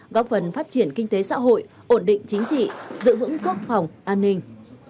góp phần phát triển kinh tế xã hội ổn định chính trị giữ vững quốc phòng an ninh